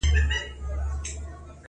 خوري چي روزي خپله ,